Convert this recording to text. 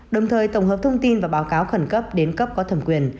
đồng thời tổng hợp thông tin và báo cáo khẩn cấp đến cấp có thẩm quyền